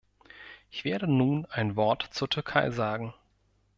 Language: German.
Ich werde nun ein Wort zur Türkei sagen.